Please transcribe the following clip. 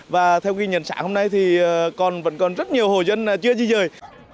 và theo ghi nhận sáng hôm nay thì còn vẫn còn rất nhiều hồ dân chưa di dời